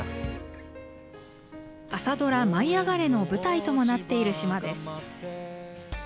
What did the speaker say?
朝ドラ、舞いあがれ！の舞台ともなっている島です。